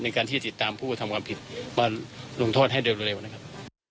ในการที่จะติดตามผู้กระทำความผิดมาลงโทษให้เร็วนะครับ